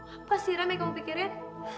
apa sih rem yang kamu pikirin